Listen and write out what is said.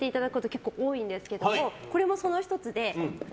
結構多いんですけどこれもその１つで。